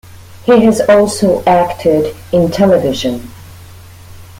He has also acted in television.